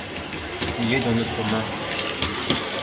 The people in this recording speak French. Il est dans notre main.